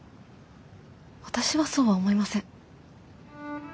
私はそうは思いません。